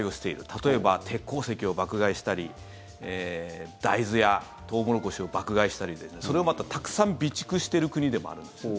例えば、鉄鉱石を爆買いしたり大豆やトウモロコシを爆買いしたりそれを、またたくさん備蓄している国でもあるんですよね。